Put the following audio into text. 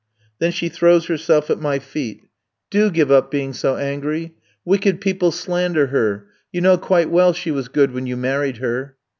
Then she throws herself at my feet. 'Do give up being so angry! Wicked people slander her; you know quite well she was good when you married her.'